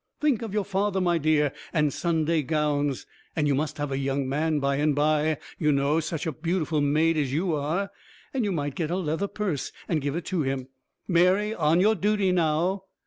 Think of your father, my dear, and Sunday gowns. And you must have a young man by and by, you know such a beautiful maid as you are. And you might get a leather purse, and give it to him. Mary, on your duty, now?"